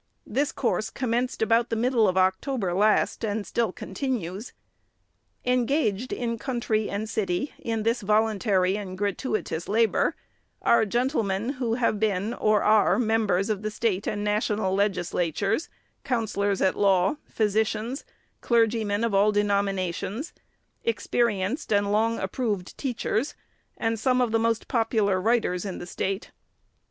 This course commenced about the middle of October last, and still continues. Engaged, in country and city, in this voluntary and gratuitous labor, are gentle men, who have been, or are, members of the State and National Legislatures, counsellors at law, physicians, clergymen of all denominations, experienced and long approved teachers, and some of the most popular writers in the State.